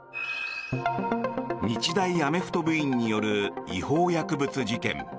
日大アメフト部員による違法薬物事件。